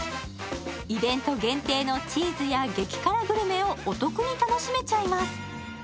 イベント限定のチーズや激辛グルメをお得に楽しめちゃいます。